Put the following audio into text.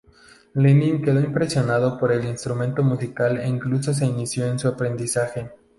Lenin quedó impresionado por el instrumento musical e incluso se inició en su aprendizaje.